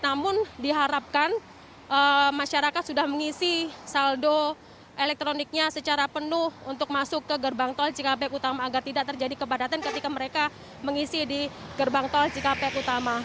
namun diharapkan masyarakat sudah mengisi saldo elektroniknya secara penuh untuk masuk ke gerbang tol cikampek utama agar tidak terjadi kepadatan ketika mereka mengisi di gerbang tol cikampek utama